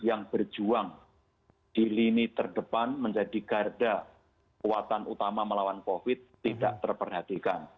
yang berjuang di lini terdepan menjadi garda kuatan utama melawan covid tidak terperhatikan